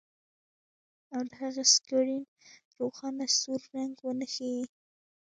او د هغه سکرین روښانه سور رنګ ونه ښيي